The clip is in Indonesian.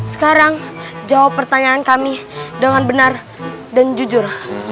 sekarang jawab pertanyaan kami dengan benar dan jujur